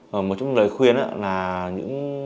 một trong những lời khuyên